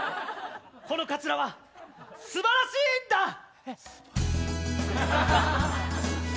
このカツラはすばらしいんだ！